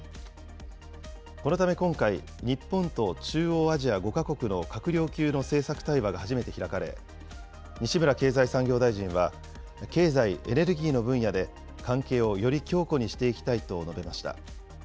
このため今回、日本と中央アジア５か国の閣僚級の政策対話が初めて開かれ、西村経済産業大臣は、経済・エネルギーの分野で関係をより強固にしていきたいと述べました。